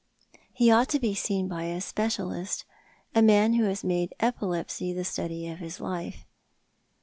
" He ought to be seen by a specialist — a man who has made epilepsy the study of his life."